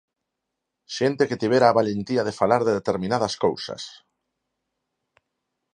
Xente que tivera a valentía de falar de determinadas cousas.